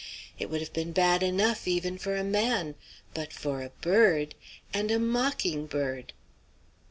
It would have been bad enough, even for a man; but for a bird and a mocking bird!